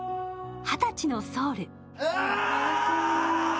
「２０歳のソウル」。